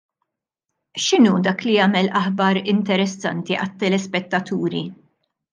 X'inhu dak li jagħmel aħbar interessanti għat-telespettaturi?